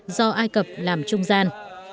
do ai cập làm trung gian